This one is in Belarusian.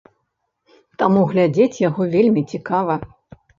Таму глядзець яго вельмі цікава.